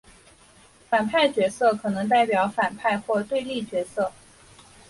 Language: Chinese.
反派角色可能代表反派或对立角色。